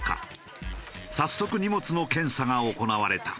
早速荷物の検査が行われた。